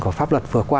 của pháp luật vừa qua